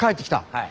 はい。